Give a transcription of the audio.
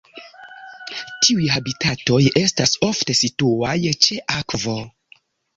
Tiuj habitatoj estas ofte situaj ĉe akvo.